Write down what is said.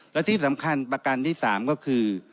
และที่สำคัญประกันที่๓ก็คือ